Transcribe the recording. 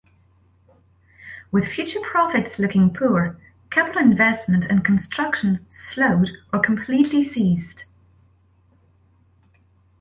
With future profits looking poor, capital investment and construction slowed or completely ceased.